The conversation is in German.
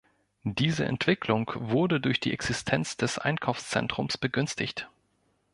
Diese Entwicklung wurde durch die Existenz des Einkaufszentrums begünstigt.